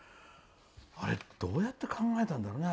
あれどうやって考えたんだろうね。